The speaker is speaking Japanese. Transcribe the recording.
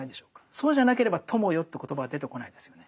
そうじゃなければ「友よ」という言葉は出てこないですよね。